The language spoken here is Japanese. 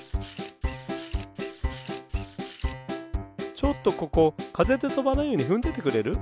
ちょっとここかぜでとばないようにふんどいてくれる？